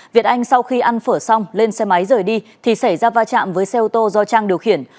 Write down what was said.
việt anh sau khi ăn phở xong lên xe máy rời đi thì xảy ra va chạm với xe ô tô do trang điều khiển